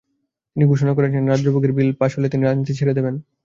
তিনি ঘোষণা করেছেন, রাজ্যভাগের বিল পাস হলে তিনি রাজনীতি ছেড়ে দেবেন।